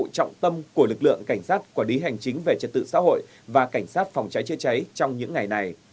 các lực lượng tham gia trong công tác này